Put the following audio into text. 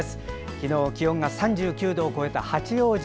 昨日、気温が３９度を超えた八王子。